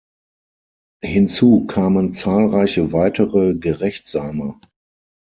Hinzu kamen zahlreiche weitere Gerechtsame.